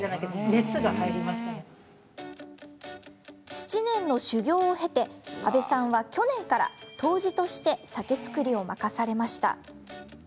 ７年の修業を経て、阿部さんは去年から杜氏として酒造りを任されました。